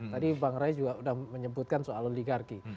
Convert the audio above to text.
tadi bang ray juga sudah menyebutkan soal oligarki